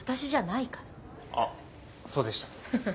あっそうでした。